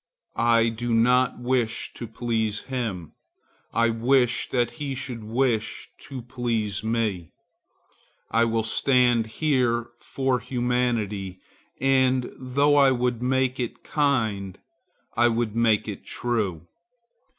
I do not wish to please him; I wish that he should wish to please me. I will stand here for humanity, and though I would make it kind, I would make it true.